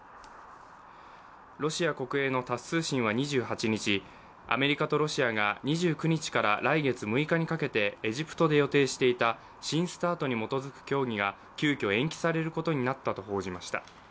ロシア国営のタス通信は２８日、アメリカとロシアが２９日から来月６日にかけてエジプトで予定していた新ＳＴＡＲＴに基づく協議が急きょ延期されることになったと報じました。